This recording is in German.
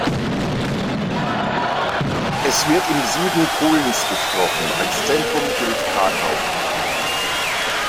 Es wird im Süden Polens gesprochen, als Zentrum gilt Krakau.